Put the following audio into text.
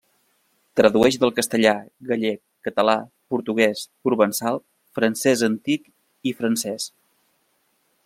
Tradueix del castellà, gallec, català, portuguès, provençal, francès antic i francès.